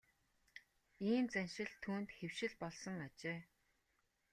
Ийм заншил түүнд хэвшил болсон ажээ.